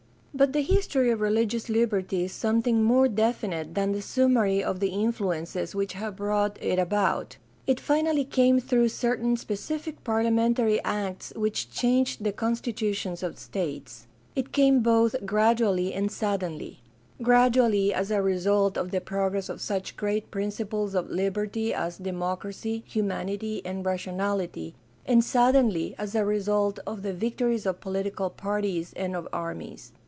But the history of religious liberty is something more definite than the summary of the influences which have brought it about; it finally came through certain specific parlia mentary acts which changed the constitutions of states. It came both gradually and suddenly — gradually as a result of THE DEVELOPMENT OF MODERN CHRISTIANITY 443 the progress of such great principles of liberty as democracy, humanity, and rationahty, and suddenly as a result of the victories of political parties and of armies.